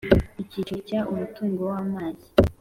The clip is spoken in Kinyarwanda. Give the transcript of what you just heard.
Icyiciro cya Umutungo w’ amazi